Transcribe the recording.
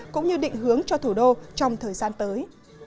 cũng như định hướng cho thủ đô trong thời gian tới